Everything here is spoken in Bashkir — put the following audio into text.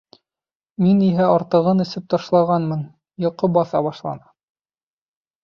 Мин иһә артығын эсеп ташлағанмын, йоҡо баҫа башланы.